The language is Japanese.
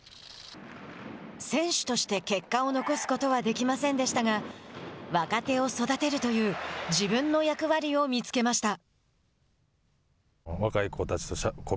選手として結果を残すことはできませんでしたが若手を育てるという自分の役割を見つけました。